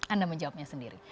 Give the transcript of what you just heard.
anda menjawabnya sendiri